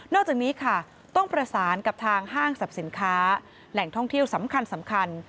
อกจากนี้ค่ะต้องประสานกับทางห้างสรรพสินค้าแหล่งท่องเที่ยวสำคัญ